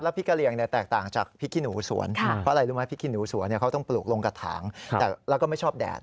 พริกกะเรียงแตกต่างจากพริกขี้หนูสวนเพราะอะไรรู้ไหมพริกขี้หนูสวนเขาต้องปลูกลงกระถางแล้วก็ไม่ชอบแดด